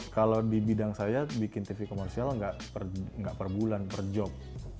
kalau di bidang saya bikin tv komersial nggak per bulan per job